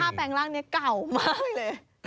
คุณคุณท่าแปลงร่างนี้เก่ามากเลย